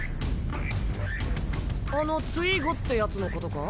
あのツイーゴってヤツのことか？